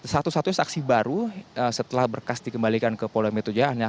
satu satunya saksi baru setelah berkas dikembalikan ke polda metro jaya